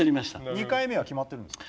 ２回目は決まってるんですか？